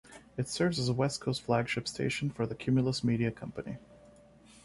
It serves as a West Coast flagship station for the Cumulus Media company.